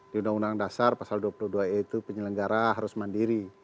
di undang undang dasar pasal dua puluh dua e itu penyelenggara harus mandiri